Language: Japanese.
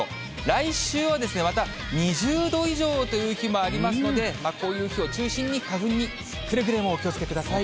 来週はまた、２０度以上という日もありますので、こういう日を中心に、花粉にくれぐれもお気をつけください。